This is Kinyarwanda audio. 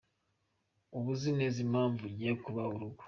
Uba uzi neza impamvu ugiye kuba urugo .